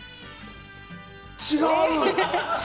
違う？